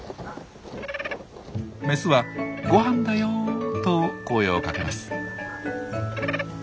メスは「ごはんだよ」と声をかけます。